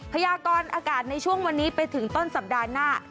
พยากรอากาศในช่วงวันนี้ไปถึงต้นสัปดาห์หน้า